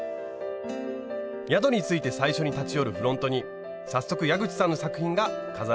宿に着いて最初に立ち寄るフロントに早速矢口さんの作品が飾られています。